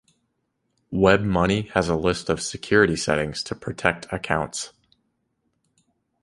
WebMoney has a list of security settings to protect accounts.